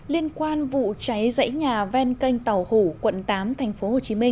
liên quan vụ cháy dãy nhà ven kênh tàu hủ quận tám tp hcm